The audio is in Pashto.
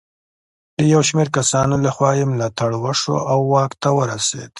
د یو شمېر کسانو له خوا یې ملاتړ وشو او واک ته ورسېد.